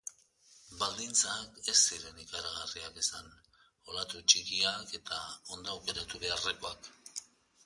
Baldintzak ez ziren ikaragarriak izan, olatu txikiak eta ondo aukeratu beharrekoak.